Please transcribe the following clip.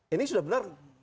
ini sudah benar